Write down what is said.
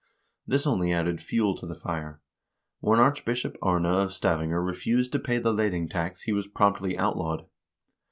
This only added fuel to the fire. When Bishop Arne of Stavanger refused to pay the leding tax he was promptly outlawed.